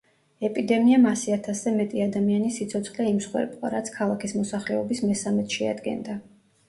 ეპიდემიამ ასი ათასზე მეტი ადამიანის სიცოცხლე იმსხვერპლა, რაც ქალაქის მოსახლეობის მესამედს შეადგენდა.